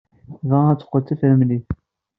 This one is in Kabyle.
Tebɣa ad teqqel d tafremlit.